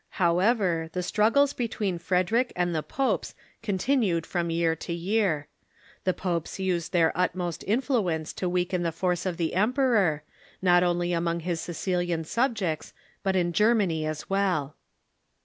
However, the struggles between Frederic and the poj^es con tinued from year to year. The popes used their utmost influ ence to weaken the force of the emperor, not only among his Sicilian subjects, but in Germany as Avell.